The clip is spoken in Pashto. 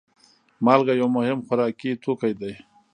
مالګه یو مهم خوراکي توکی دی.